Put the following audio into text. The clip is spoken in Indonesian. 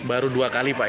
baru dua kali pak ya